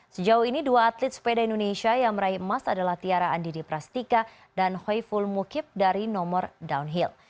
sejauh ini dua atlet sepeda indonesia yang meraih emas adalah tiara andini prastika dan hoiful mukib dari nomor downhill